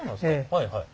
はいはい。